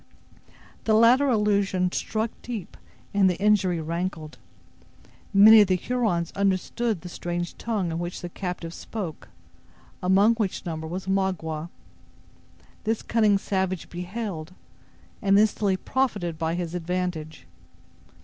The latter allusion struck deep, and the injury rankled. Many of the Hurons understood the strange tongue in which the captive spoke, among which number was Magua. This cunning savage beheld, and instantly profited by his advantage.